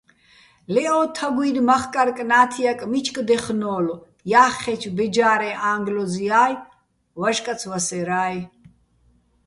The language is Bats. ლე ო თაგუჲნი̆ მახკარ-კნა́თიაკ მიჩკ დეხნო́ლო̆, ჲა́ხხეჩო̆ ბეჯა́რეჼ ა́ჼგლოზია́ჲ, ვაჟკაც ვასერა́ჲ.